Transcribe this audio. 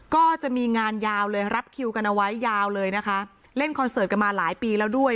ก็จะมีงานยาวเลยรับคิวกันเอาไว้ยาวเลยนะคะเล่นคอนเสิร์ตกันมาหลายปีแล้วด้วย